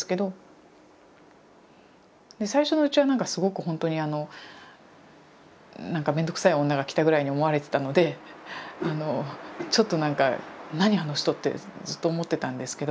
最初のうちはすごくほんとにあのなんかめんどくさい女が来たぐらいに思われてたのでちょっとなんか何あの人！ってずっと思ってたんですけど。